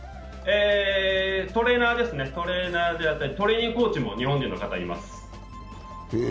トレーナーであったりトレーニングコーチも日本人の方がいます。